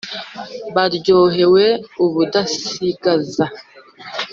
baryohewe ubudasigaza